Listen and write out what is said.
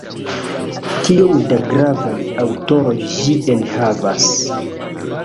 Kiom da gravaj aŭtoroj ĝi enhavas!